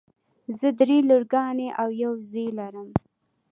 زه دری لورګانې او یو زوی لرم.